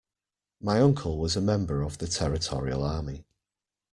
My uncle was a member of the Territorial Army